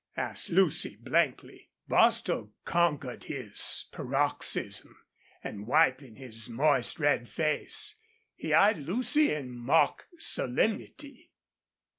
asked Lucy, blankly. Bostil conquered his paroxysm, and, wiping his moist red face, he eyed Lucy in mock solemnity.